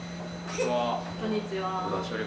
こんにちは。